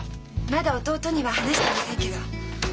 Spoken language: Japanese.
まだ弟には話してませんけど。